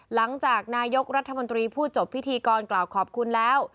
หลังจากนายกรัฐมนตรีพูดจบพิธีกรกล่าวขอบคุณแล้ว